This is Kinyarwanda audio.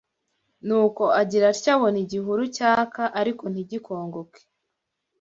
Nuko agira atya abona igihuru cyaka arko ntigikongoke